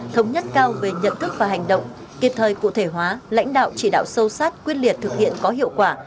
thống nhất cao về nhận thức và hành động kịp thời cụ thể hóa lãnh đạo chỉ đạo sâu sát quyết liệt thực hiện có hiệu quả